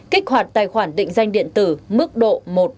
kích hoạt tài khoản định danh điện tử mức độ một